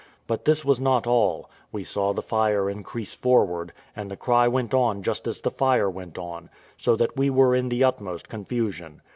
But this was not all: we saw the fire increase forward, and the cry went on just as the fire went on; so that we were in the utmost confusion.